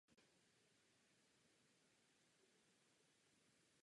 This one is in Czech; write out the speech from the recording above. Narodil se ve východních Čechách.